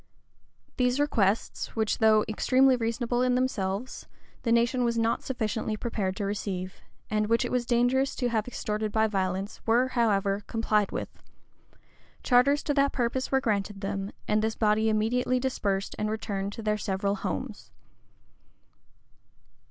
These requests, which, though extremely reasonable in themselves, the nation was not sufficiently prepared to receive, and which it was dangerous to have extorted by violence, were, however, complied with; charters to that purpose were granted them; and this body immediately dispersed, and returned to their several homes.